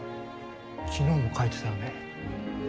昨日も描いてたよね。